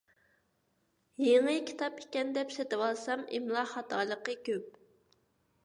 يېڭى كىتاب ئىكەن دەپ سېتىۋالسام ئىملا خاتالىقى كۆپ.